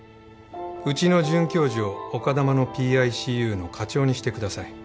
うちの准教授を丘珠の ＰＩＣＵ の科長にしてください